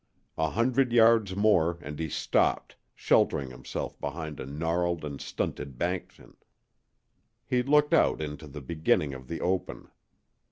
A hundred yards more and he stopped, sheltering himself behind a gnarled and stunted banskian. He looked out into the beginning of the open.